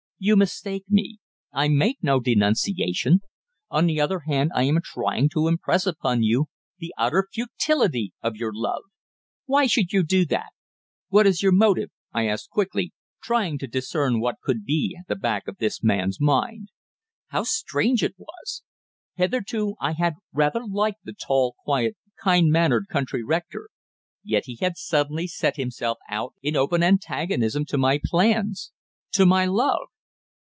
"You mistake me. I make no denunciation. On the other hand, I am trying to impress upon you the utter futility of your love." "Why should you do that? What is your motive?" I asked quickly, trying to discern what could be at the back of this man's mind. How strange it was! Hitherto I had rather liked the tall, quiet, kind mannered country rector. Yet he had suddenly set himself out in open antagonism to my plans to my love!